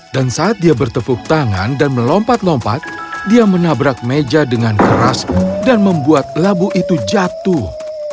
dan saat dia bertepuk tangan dan melompat lompat dia menabrak meja dengan keras dan membuat labu itu jatuh